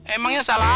emangnya salah apa gua